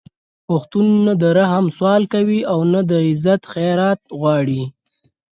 پښتون نه د رحم سوال کوي او نه د عزت خیرات غواړي